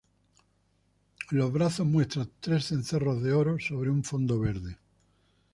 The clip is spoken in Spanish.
Los brazos muestran tres cencerros de oro sobre un fondo verde.